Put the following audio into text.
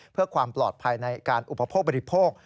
เพื่อความปลอดภัยในการอุปโภคบริโภค